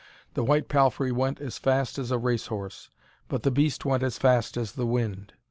The white palfrey went as fast as a race horse, but the beast went as fast as the wind.